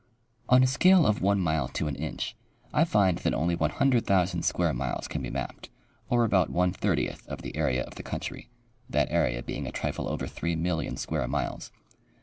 On a scale of 1 mile to an inch, I find that only 100,000 square miles can be mapped, or about one thirtieth of the area of the country (that area being a trifle over 3,000,000 square miles).